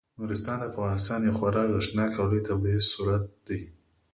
نورستان د افغانستان یو خورا ارزښتناک او لوی طبعي ثروت دی.